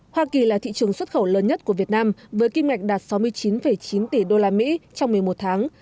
hoa kỳ là thị trường xuất khẩu lớn nhất của việt nam với kinh mạch đạt sáu mươi chín chín tỷ usd trong một mươi một tháng